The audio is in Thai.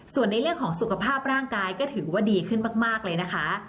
ส่วนในเรื่องของสุขภาพร่างกายก็ถือว่าดีขึ้นมากเลยนะคะ